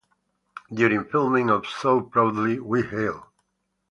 During filming of So Proudly We Hail!